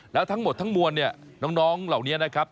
แล้วทั้งหมดทั้งมวลเนี่ยน้องเหล่านี้นะครับ